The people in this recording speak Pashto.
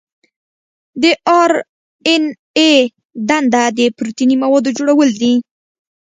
د آر این اې دنده د پروتیني موادو جوړول دي.